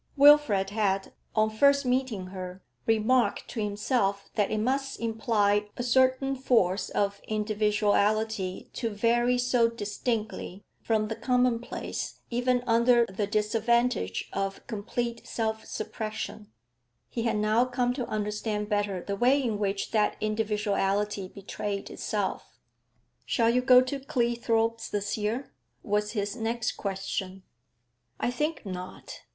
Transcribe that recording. Wilfrid had, on first meeting her, remarked to himself that it must imply a certain force of individuality to vary so distinctly from the commonplace even under the disadvantage of complete self suppression; he had now come to understand better the way in which that individuality betrayed itself. 'Shall you go to Cleethorpes this year?' was his next question. 'I think not.